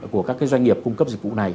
của các doanh nghiệp cung cấp dịch vụ này